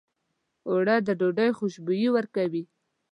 اوړه د ډوډۍ خوشبويي ورکوي